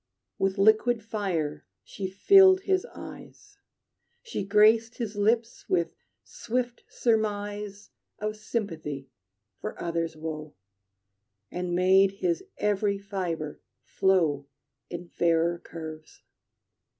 With liquid fire she filled his eyes. She graced his lips with swift surmise Of sympathy for others' woe, And made his every fibre flow In fairer curves.